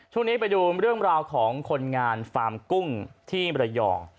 ช่วงนี้ไปดูเรื่องราวของคนงานฟาร์มกุ้งที่มรยอง